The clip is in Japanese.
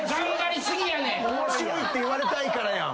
面白いって言われたいからやん。